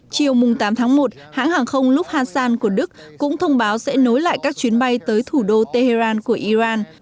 chiều tám tháng một hãng hàng không lufthansan của đức cũng thông báo sẽ nối lại các chuyến bay tới thủ đô tehran của iran